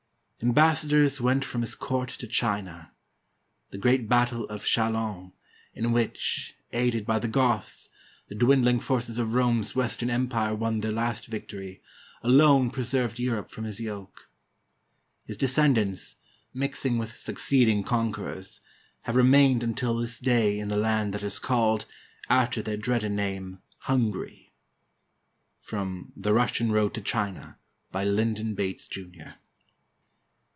Ambassadors went from his court to China. The great battle of Chalons, in which, aided by the Goths, the dwindling forces of Rome's Western Empire won their last victory, alone preserved Europe from his yoke. His descendants, mixing with suc ceeding conquerors, have remained until this day in the land that is called, after their dreaded name, Hungary." (From "The Russian Road to China," by Lindon Bates, Jr.)